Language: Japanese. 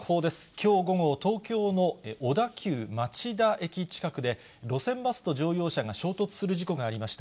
きょう午後、東京の小田急町田駅近くで、路線バスと乗用車が衝突する事故がありました。